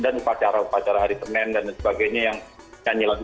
dan pacara pacara hari kemen dan sebagainya yang nyilang